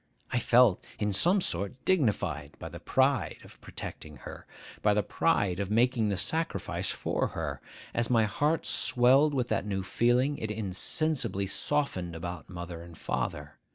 I felt, in some sort, dignified by the pride of protecting her,—by the pride of making the sacrifice for her. As my heart swelled with that new feeling, it insensibly softened about mother and father.